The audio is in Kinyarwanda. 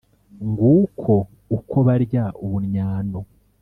Nguko uko barya ubunnyano.